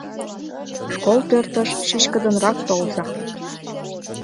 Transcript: Школ пӧртыш чӱчкыдынрак толза...